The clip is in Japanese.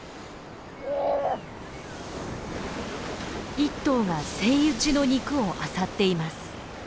１頭がセイウチの肉をあさっています。